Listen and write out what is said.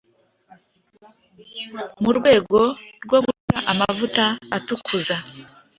mu rwego rwo guca amavuta atukuza